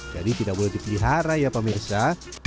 jadi tidak boleh dipelihara ya pemirsa